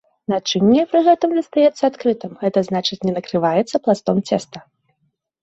Начынне пры гэтым застаецца адкрытым, гэта значыць не накрываецца пластом цеста.